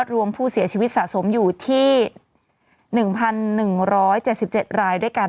รวมผู้เสียชีวิตสะสมอยู่ที่หนึ่งพันหนึ่งร้อยเจ็ดสิบเจ็ดรายด้วยกัน